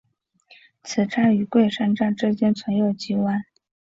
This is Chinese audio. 此站与桂山站之间存有急弯。